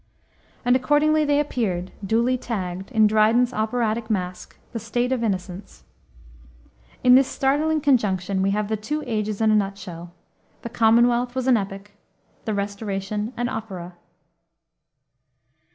And accordingly they appeared, duly tagged, in Dryden's operatic masque, the State of Innocence. In this startling conjunction we have the two ages in a nut shell: the Commonwealth was an epic, the Restoration an opera.